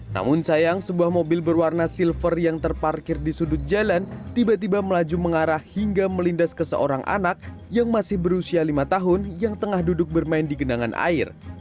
namun sayang sebuah mobil berwarna silver yang terparkir di sudut jalan tiba tiba melaju mengarah hingga melindas ke seorang anak yang masih berusia lima tahun yang tengah duduk bermain di genangan air